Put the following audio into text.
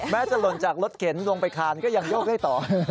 จะหล่นจากรถเข็นลงไปคานก็ยังโยกได้ต่อ